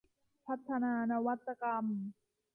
พัฒนานวัตกรรม